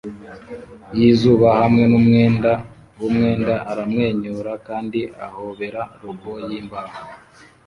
yizuba hamwe numwenda wumwenda aramwenyura kandi ahobera robot yimbaho